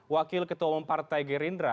wakil ketua umum partai gerindra